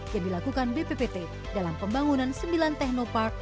yang dilakukan bppt dalam pembangunan sembilan teknopark